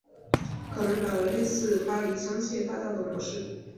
可能改为类似巴黎香榭大道的模式